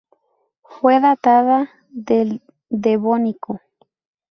Fue datada del Devónico.